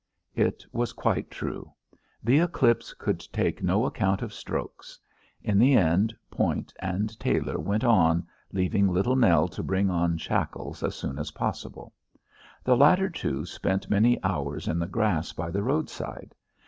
It was quite true; the Eclipse could take no account of strokes. In the end Point and Tailor went on, leaving Little Nell to bring on Shackles as soon as possible. The latter two spent many hours in the grass by the roadside.